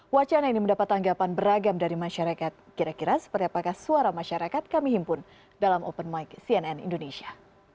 wacana ini mendapat tanggapan beragam dari masyarakat kira kira seperti apakah suara masyarakat kami himpun dalam open mic cnn indonesia